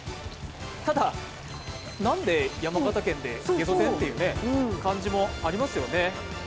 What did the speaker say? ただ、なんで山形県でげそ天？って感じもありますよね。